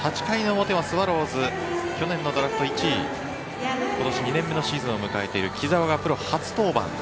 ８回の表は、スワローズ去年のドラフト１位今年２年目のシーズンを迎えている木澤がプロ初登板。